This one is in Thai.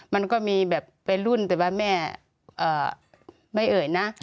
มันก็มีแบบวัยรุ่นแต่ว่าแม่ไม่เอ่ยนะ